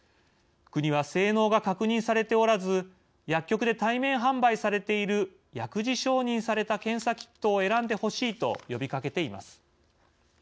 国は性能が確認されておらず薬局で対面販売されている薬事承認された検査キットを選んでほしいと呼びかけています。